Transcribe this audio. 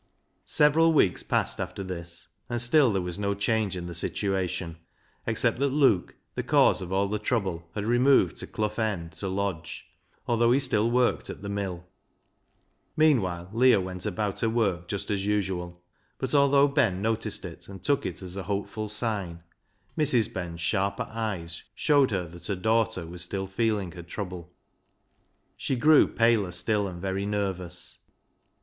Several weeks passed after this, and still there was no change in the situation, except that Luke, the cause of all the trouble, had removed to Clough End to lodge, although he still worked at the mill. Meanwhile Leah went about her work just as usual, but although Ben noticed it, and took it as a hojDeful sign, Mrs. Ben's sharper eyes showed her that her daughter was still feeling her trouble. She grew paler still, and very nervous.